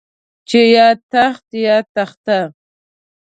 چې يا تخت يا تخته.